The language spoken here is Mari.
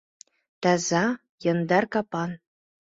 Таза, яндар капан.